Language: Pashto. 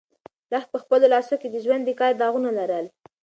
لښتې په خپلو لاسو کې د ژوند د کار داغونه لرل.